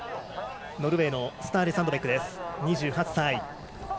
ノルウェーのスターレ・サンドベック、２８歳。